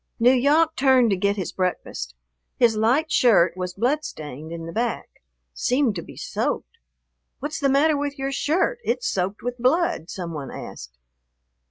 N'Yawk turned to get his breakfast. His light shirt was blood stained in the back, seemed to be soaked. "What's the matter with your shirt, it's soaked with blood?" some one asked.